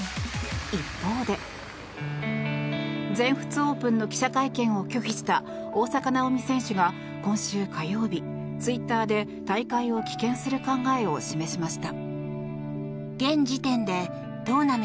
一方で、全仏オープンの記者会見を拒否した大坂なおみ選手が今週火曜日ツイッターで大会を棄権する考えを示しました。